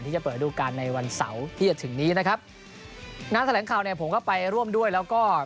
จะเปิดดูการในวันเสาร์ที่จะถึงนี้นะครับงานแถลงข่าวเนี่ยผมก็ไปร่วมด้วยแล้วก็